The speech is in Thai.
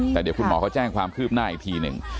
แต่เดี๋ยวคุณหมอเขาแจ้งความคืบหน้าอีกทีหนึ่ง